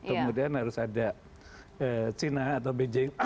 kemudian harus ada china atau beijing